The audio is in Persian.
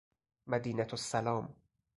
مدینه السلام